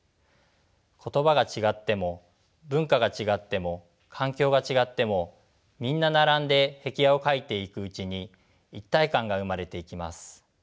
言葉が違っても文化が違っても環境が違ってもみんな並んで壁画を描いていくうちに一体感が生まれていきます。